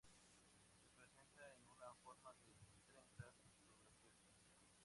Se presenta en una forma de trenzas sobrepuestas.